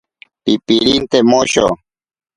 Pipirinte mosho.